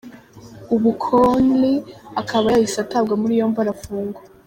Ubu Conley akaba yahise atabwa muri yombi arafungwa.